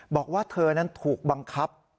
บอกว่าเธอนั้นถูกบังคับ